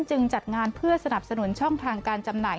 จัดงานเพื่อสนับสนุนช่องทางการจำหน่าย